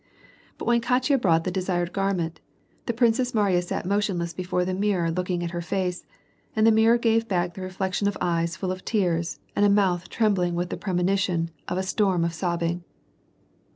But when Katya brought the desiretl garment, the Princess Mariya sat motionless before the inirK»r, looking at her face, and the mirror gave baek the reflection of eyes full of tears, and a mouth trembling with the premo nition of a storm of sobbing.